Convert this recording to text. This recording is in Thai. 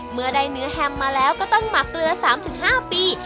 เมื่อได้เนื้อแฮมมาแล้วก็ต้องหมักเกลือ๓๕ปี